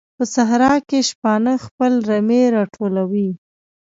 په صحراء کې شپانه خپل رمې راټولوي.